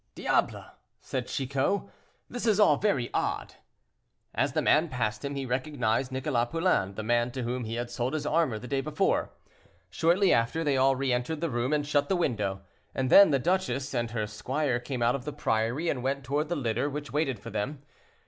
"Diable!" said Chicot, "this is all very odd." As the man passed him, he recognized Nicholas Poulain, the man to whom he had sold his armor the day before. Shortly after, they all re entered the room and shut the window, and then the duchess and her squire came out of the priory and went toward the litter which waited for them.